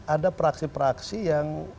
ada praksi praksi yang